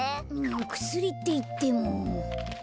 くすりっていっても。